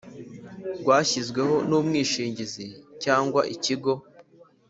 rwashyizweho n umwishingizi cyangwa ikigo